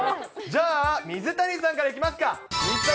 じゃあ、水谷さんからいきますか。